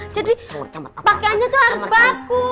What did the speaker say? jadi pakeannya tuh harus bagus